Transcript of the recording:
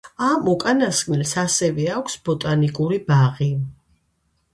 ამ უკანასკნელს ასევე აქვს ბოტანიკური ბაღი.